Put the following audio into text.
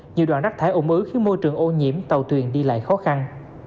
nhiều đoạn rác thải ô ứ khiến môi trường ô nhiễm tàu thuyền đi lại khó khăn